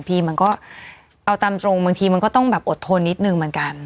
มันก็เอาตามตรงบางทีมันก็ต้องแบบอดทนนิดนึงเหมือนกัน